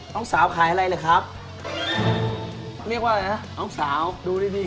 น้องสาวขายอะไรเลยครับเรียกว่าอะไรฮะน้องสาวดูดีดี